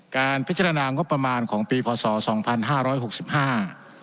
การพิจารณางบประมาณของปีพศสองพันห้าร้อยหกสิบห้า